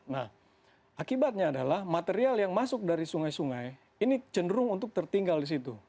nah akibatnya adalah material yang masuk dari sungai sungai ini cenderung untuk tertinggal di situ